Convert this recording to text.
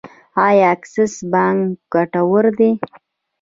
آیا اکسس بانک ګټور دی؟